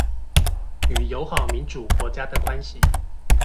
與友好民主國家的關係